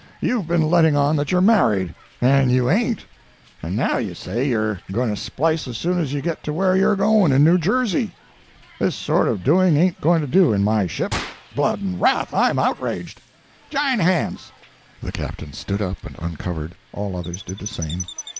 You've been letting on that you're married, and you ain't!—and now you say you're going to splice as soon as you get to where you're going, in New Jersey. This sort of doing ain't going to do in my ship—blood and wrath, I'm outraged! Jine hands." [The Captain stood up and uncovered—all others did the same.